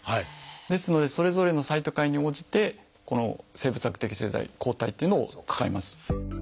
ですのでそれぞれのサイトカインに応じて生物学的製剤抗体っていうのを使います。